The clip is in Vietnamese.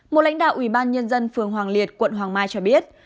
một lãnh đạo ủy ban nhân dân phường hoàng liệt quận hoàng mai cho biết